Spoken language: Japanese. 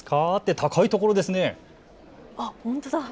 高い所ですね。